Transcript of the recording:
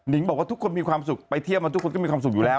บอกว่าทุกคนมีความสุขไปเที่ยวมาทุกคนก็มีความสุขอยู่แล้ว